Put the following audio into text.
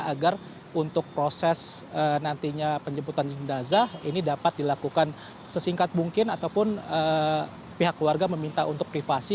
agar untuk proses nantinya penjemputan jenazah ini dapat dilakukan sesingkat mungkin ataupun pihak keluarga meminta untuk privasi